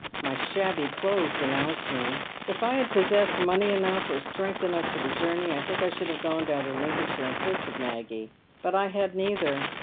My shabby clothes denounced me. If I had possessed money enough or strength enough for the journey, I think I should have gone down to Lincolnshire in search of Maggie, but I had neither.